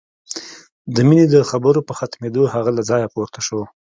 د مينې د خبرو په ختمېدو هغه له ځايه پورته شو.